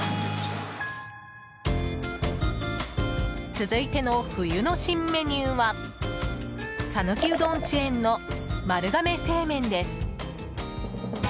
続いての冬の新メニューは讃岐うどんチェーンの丸亀製麺です。